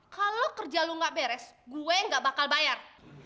kalau kerja lo gak beres gue gak bakal bayar